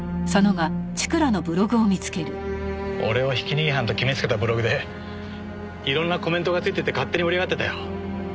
俺をひき逃げ犯と決めつけたブログで色んなコメントがついてて勝手に盛り上がってたよ。